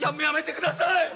やめてください。